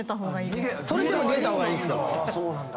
それでも逃げた方がいいんですか。